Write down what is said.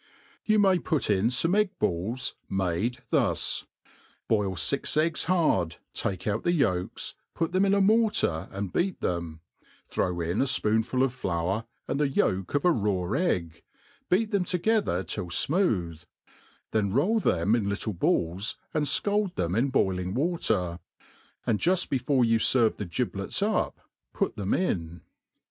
You may put in fomQ egg balls, made thus s boil fix eggs hafd, ts^ke out the yolks, put them in a mortar, and beat them, throw in a fpoonful of Sour, and the yolk of a raw egg, beat them together till fmooth; then roll them in little balls, and fcald them in boiling water, and juft before you ferve the giblets up, pu.t them in* , N.